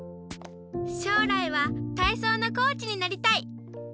しょうらいはたいそうのコーチになりたい！